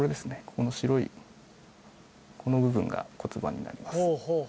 ここの白いこの部分が骨盤になります